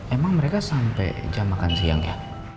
emang mereka sampai jam makan siang ya